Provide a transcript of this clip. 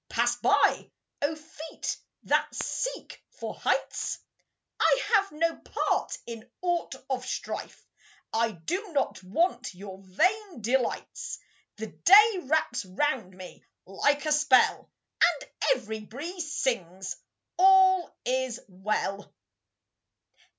Pass by, oh, feet that seek for heights! I have no part in aught of strife; I do not want your vain delights. The day wraps round me like a spell, And every breeze sings, "All is well."